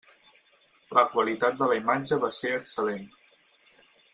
La qualitat de la imatge va ser excel·lent.